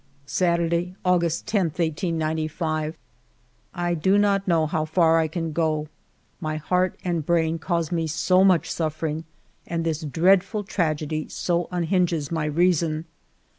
Saturday^ August 10, 1895. I do not know how far I can go, my heart and brain cause me so much suffering, and this dread ful tragedy so unhinges my reason